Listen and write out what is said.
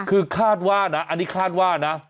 คือคาดว่านะอันนี้คาดว่านะ